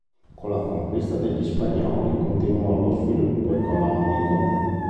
Con la conquista degli spagnoli continuò lo sviluppo economico.